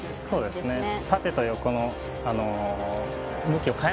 そうですね